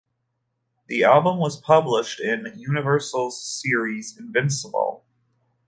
The album was published in Universal's series "Invincible".